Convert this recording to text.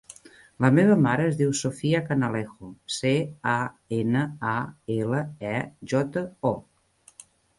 La meva mare es diu Sophia Canalejo: ce, a, ena, a, ela, e, jota, o.